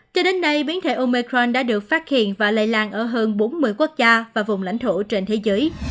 cho đến nay biến thể omecron đã được phát hiện và lây lan ở hơn bốn mươi quốc gia và vùng lãnh thổ trên thế giới